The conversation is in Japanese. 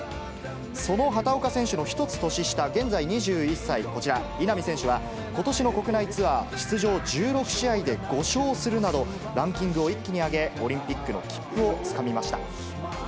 その畑岡選手の１つ年下、現在２１歳、こちら、稲見選手は、ことしの国内ツアー出場１６試合で５勝するなど、ランキングを一気に上げ、オリンピックの切符をつかみました。